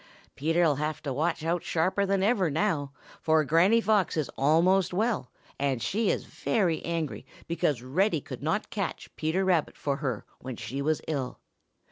"Peter'll have to watch out sharper than ever now, for Granny Fox is almost well, and she is very angry because Reddy could not catch Peter Rabbit for her when she was ill.